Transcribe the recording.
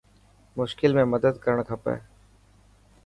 مشڪل ۾ مدد ڪرڻ کپي.